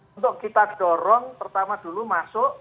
untuk kita dorong pertama dulu masuk